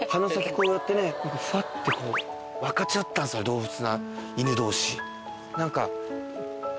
こうやってねふわって分かち合った動物犬同士。